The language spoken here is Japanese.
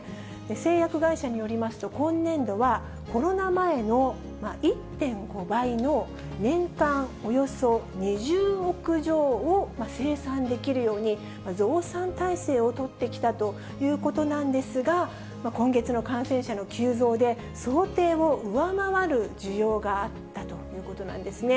製薬会社によりますと、今年度は、コロナ前の１．５倍の年間およそ２０億錠を生産できるように増産体制を取ってきたということなんですが、今月の感染者の急増で、想定を上回る需要があったということなんですね。